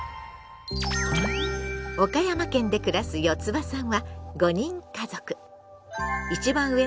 岡山県で暮らすよつばさんは５人家族。